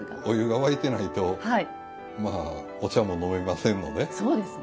お湯が沸いてないとお茶も飲めませんので。